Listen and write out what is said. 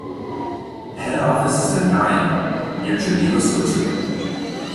The head office is in Nyon, near Geneva, Switzerland.